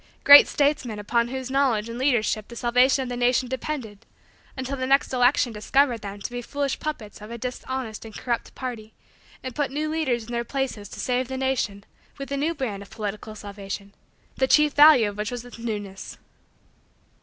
Great statesmen upon whose knowledge and leadership the salvation of the nation depended, until the next election discovered them to be foolish puppets of a dishonest and corrupt party and put new leaders in their places to save the nation with a new brand of political salvation, the chief value of which was its newness?